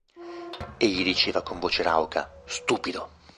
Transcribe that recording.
E gli diceva con voce rauca: – Stupido.